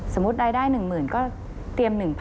สมมุติรายได้๑๐๐๐๐ก็เตรียม๑๐๐๐